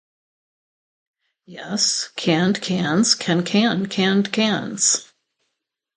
Yes, canned cans can can canned cans.